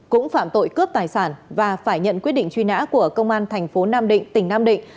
cũng phạm tội cướp tài sản và phải nhận quyết định truy nã của công an thành phố nam định tỉnh nam định